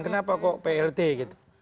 kenapa kok plt gitu